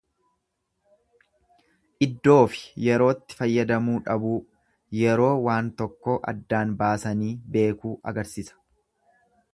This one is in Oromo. Iddoofi yerootti fayyadamuu dhabuu, yeroo waan tokkoo addaan baasanii beekuu agarsisa.